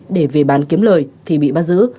để về bán kiếm lời thì bị bắt giữ